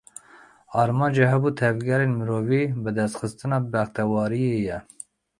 Armanca hemû tevgerên mirovî, bidestxistina bextewariyê ye.